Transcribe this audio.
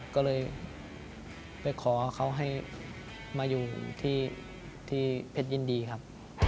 ก็เลยไปขอเขาให้มาอยู่ที่เพชรยินดีครับ